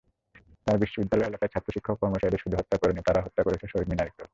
তাই বিশ্ববিদ্যালয় এলাকায় ছাত্র-শিক্ষক-কর্মচারীদের শুধু হত্যা করেনি, তারা হত্যা করেছে শহীদ মিনারকেও।